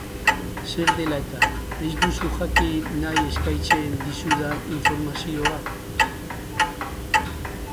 Zer dela-eta ez duzu jakin nahi eskaintzen dizudan informazioa?